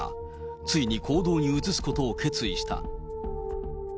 ついに行動に移すことを決意した。